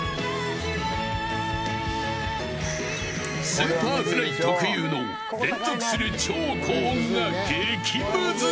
Ｓｕｐｅｒｆｌｙ特有の連続する超高音が激むずい。